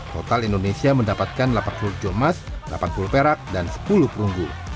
total indonesia mendapatkan delapan puluh tujuh emas delapan puluh perak dan sepuluh perunggu